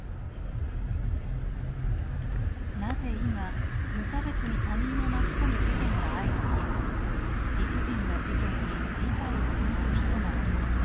なぜ今無差別に他人を巻き込む事件が相次ぎ理不尽な事件に理解を示す人がいるのか。